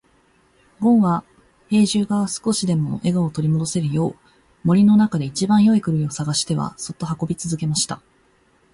ごんは兵十が少しでも笑顔を取り戻せるよう、森の中で一番よい栗を探してはそっと運び続けました。